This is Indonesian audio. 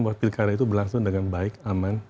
bahwa pilkada itu berlangsung dengan baik aman